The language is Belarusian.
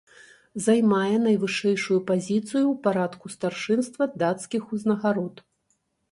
Займае найвышэйшую пазіцыю ў парадку старшынства дацкіх узнагарод.